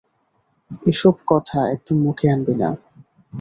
এসব কথা একদম মুখে আনবি না!